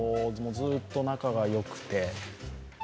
ずっと仲が良くて。